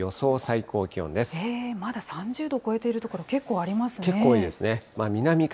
まだ３０度超えている所、結結構多いですね。